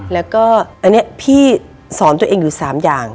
แล้วก็อันนี้พี่สอนตัวเองอยู่๓อย่าง